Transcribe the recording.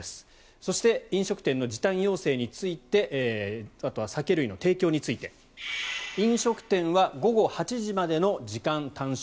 そして飲食店の時短要請についてあとは酒類の提供について飲食店は午後８時までの時間短縮。